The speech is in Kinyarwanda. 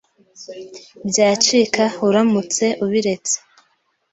Byacika uramutse ubiretse.